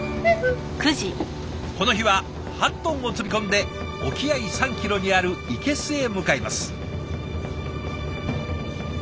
この日は８トンを積み込んで沖合３キロにある生けすへ向かいます。